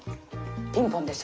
ピンポンです。